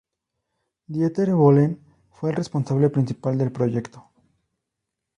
Dieter Bohlen fue el responsable principal del proyecto.